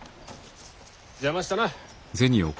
邪魔したな。